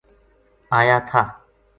آیا تھا